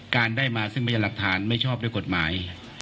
การได้มาซึ่งพยานหลักฐานไม่ชอบด้วยกฎหมาย